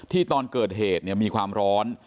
ที่ตอนเกิดเหตุเนี่ยมีความร้อน